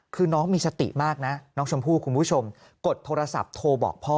คือน้องมีสติมากนะน้องชมพู่คุณผู้ชมกดโทรศัพท์โทรบอกพ่อ